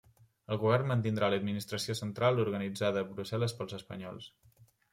El govern mantindrà l'administració central organitzada a Brussel·les pels espanyols.